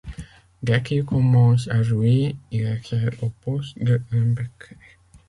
Dès qu'il commence à jouer, il excelle au poste de linebacker.